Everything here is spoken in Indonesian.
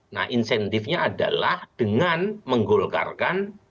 nah insentifnya adalah dengan menggolkarkan